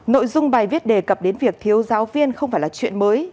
nội dung bài viết đề cập đến việc thiếu giáo viên không phải là chuyện mới